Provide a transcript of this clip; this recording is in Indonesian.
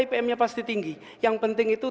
ipm nya pasti tinggi yang penting itu